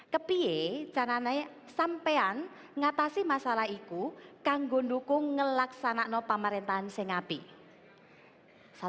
tapi bagaimana cara menjelaskan masalah itu bagaimana cara melaksanakan pemerintahan elektronik